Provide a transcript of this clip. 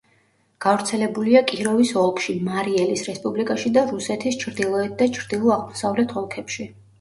გავრცელებულია კიროვის ოლქში, მარი-ელის რესპუბლიკაში და რუსეთის ჩრდილოეთ და ჩრდილო-აღმოსავლეთ ოლქებში.